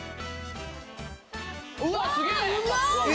うわっすげえ！